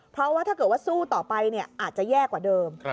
เพราะว่าถ้าเกิดว่าสู้ต่อไปอาจจะแย่กว่าเดิม